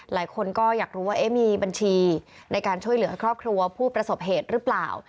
หลายคนก็อยากรู้ว่ามีบัญชีในการช่วยเหลือครอบครัวผู้ประสบเหตุหรือเปล่า